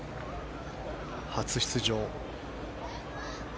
初出場。